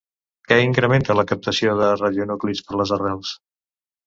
Què incrementa la captació de radionúclids per les arrels?